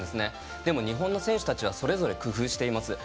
でも日本の選手たちはそれぞれ工夫しています。